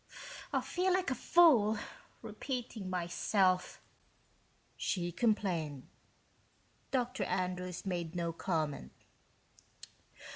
"I feel like a fool, repeating myself," she complained. Dr. Andrew's made no comment.